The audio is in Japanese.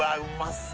そう